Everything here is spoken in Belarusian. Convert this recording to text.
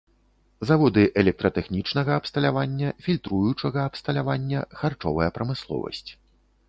Заводы электратэхнічнага абсталявання, фільтруючага абсталявання, харчовая прамысловасць.